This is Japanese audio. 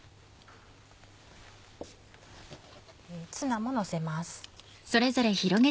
ツナものせます。